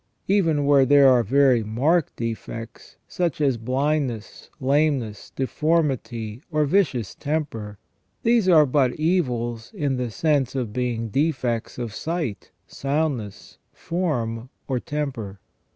Even where there are very marked defects, such as blindness, lameness, deformity, or vicious temper, these are but evils in the sense of being defects of sight, soundness, form, or temper.